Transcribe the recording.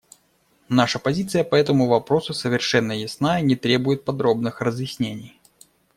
Наша позиция по этому вопросу совершенно ясна и не требует подробных разъяснений.